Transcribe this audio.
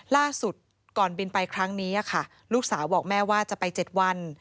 ล่าสุดก่อนบินไปครั้งนี้ค่ะลูกสาวบอกแม่ว่าจะไป๗วัน